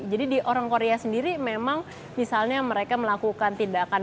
jadi di orang korea sendiri memang misalnya mereka melakukan tindakan botox rahang